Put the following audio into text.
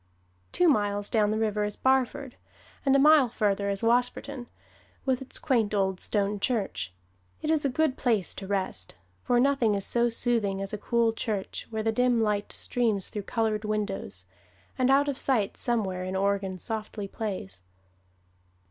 Two miles down the river is Barford, and a mile farther is Wasperton, with its quaint old stone church. It is a good place to rest: for nothing is so soothing as a cool church where the dim light streams through colored windows, and out of sight somewhere an organ softly plays.